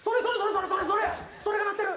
それが鳴ってる！